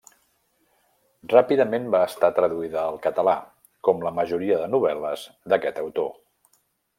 Ràpidament va estar traduïda al català, com la majoria de novel·les d'aquest autor.